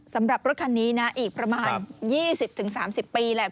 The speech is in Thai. สำหรับรถคันนี้นะอีกประมาณ๒๐๓๐ปีแหละ